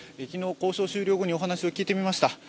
昨日交渉終了後にお話を聞いてきました。